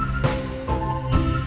saya akan cerita soal ini